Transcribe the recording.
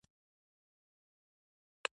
د ماښام تودې ډوډۍ ته یې د کلي په لاره منډه کړه.